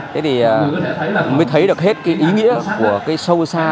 thế thì mới thấy được hết cái ý nghĩa của cái sâu xa